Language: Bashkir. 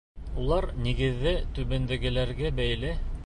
Улар нигеҙҙә түбәндәгеләргә бәйле: